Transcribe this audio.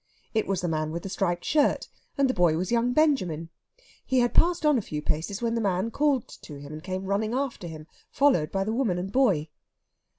It was the man with the striped shirt, and the boy was young Benjamin. He had passed on a few paces when the man called to him, and came running after him, followed by the woman and boy.